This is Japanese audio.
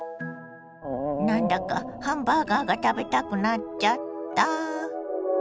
なんだかハンバーガーが食べたくなっちゃった。